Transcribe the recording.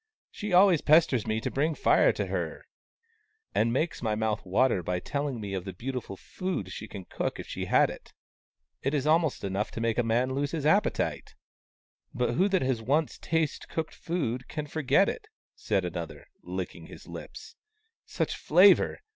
" Always she pesters me to bring Fire to her, and S.A.B. 49 D 50 WAUNG, THE CROW makes my mouth water by telling me of the beau tiful food she could cook if she had it. It is almost enough to make a man lose his appetite !"" But who that has once tasted cooked food can ever forget it ?" another said, licking his lips. " Such flavour